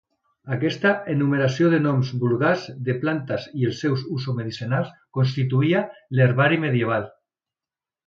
Aquesta enumeració de noms vulgars de plantes i els seus usos medicinals constituïa l'herbari medieval.